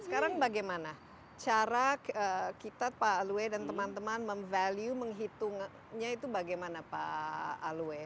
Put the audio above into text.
sekarang bagaimana cara kita pak alwe dan teman teman memvalue menghitungnya itu bagaimana pak alwe